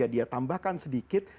dia tambahkan sedikit